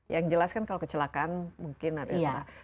yang jelas kan kalau kecelakaan mungkin adalah